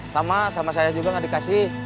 sama sama saya juga nggak dikasih